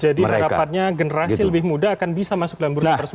jadi harapannya generasi lebih muda akan bisa masuk dalam buruk tersebut